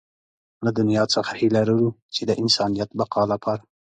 له دنيا څخه هيله لرو چې د انسانيت بقا لپاره.